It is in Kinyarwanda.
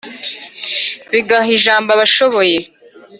bigaha ijambo abashoboye,